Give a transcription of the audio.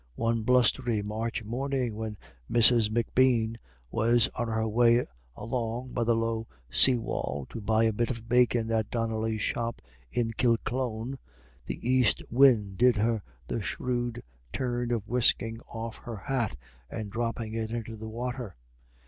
One blustery March morning when Mrs. M'Bean was on her way along by the low sea wall to buy a bit of bacon at Donnelly's shop in Kilclone, the east wind did her the shrewd turn of whisking off her hat and dropping it into the water.